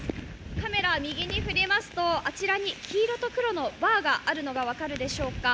カメラ右に振りますと、あちらに黄色と黒のバーがあるのが分かるでしょうか。